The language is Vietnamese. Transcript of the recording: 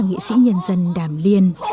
nghệ sĩ nhân dân đàm liên